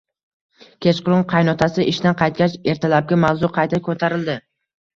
Kechqurun qaynotasi ishdan qaytgach, ertalabki mavzu qayta ko`tarildi